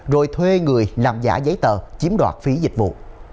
rồi thuê người làm giả giấy tờ chiếm đoạt phí dịch vụ